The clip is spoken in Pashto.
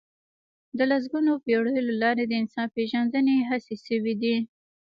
د لسګونو پېړيو لپاره د انسان پېژندنې هڅې شوي دي.